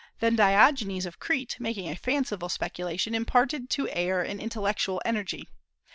Then Diogenes of Crete, making a fanciful speculation, imparted to air an intellectual energy.